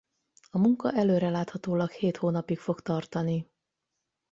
A munka előreláthatólag hét hónapig fog tartani.